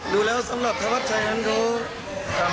ดูแล้วสำหรับทะวัดชัยน์ครับ